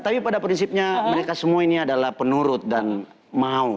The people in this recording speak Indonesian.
tapi pada prinsipnya mereka semua ini adalah penurut dan mau